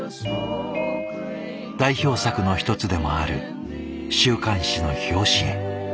代表作の一つでもある週刊誌の表紙絵。